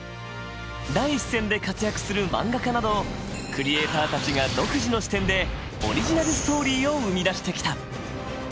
第一線で活躍する漫画家などクリエーターたちが独自の視点でオリジナルストーリーを生み出してきた。